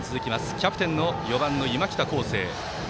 キャプテン、４番の今北孝晟。